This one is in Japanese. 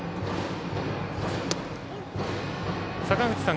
坂口さん